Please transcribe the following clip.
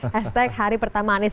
hashtag hari pertama anies